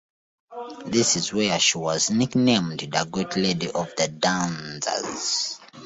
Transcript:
This is where she was nicknamed "The Great Lady of the Danzas".